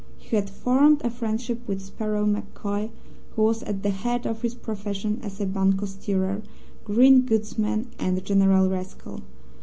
He had formed a friendship with Sparrow MacCoy, who was at the head of his profession as a bunco steerer, green goodsman and general rascal.